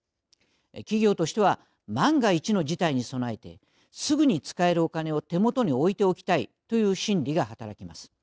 企業としては万が一の事態に備えてすぐに使えるお金を手元に置いておきたいという心理が働きます。